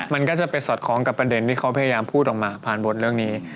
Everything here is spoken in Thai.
มันก็จะไปสอดคล้องกับประเด็นที่เขาพยายามพูดออกมาผ่านบทเรื่องนี้